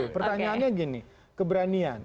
pertanyaannya gini keberanian